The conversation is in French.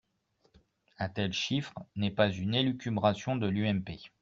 Un tel chiffre n’est pas une élucubration de l’UMP.